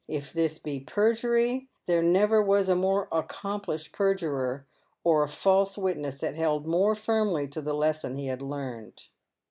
If this be pei jury, there never was a more accomplished perjurer, or a false witness that held more firmly to the lesson he had learnt.